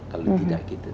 kalau tidak kita